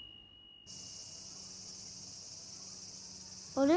あれ？